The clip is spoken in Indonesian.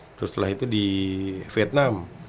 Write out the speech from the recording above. terus setelah itu di vietnam